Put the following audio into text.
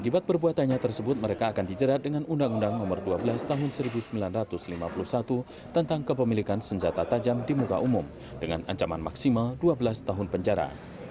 akibat perbuatannya tersebut mereka akan dijerat dengan undang undang nomor dua belas tahun seribu sembilan ratus lima puluh satu tentang kepemilikan senjata tajam di muka umum dengan ancaman maksimal dua belas tahun penjara